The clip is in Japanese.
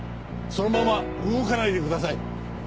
そのまま動かないでください。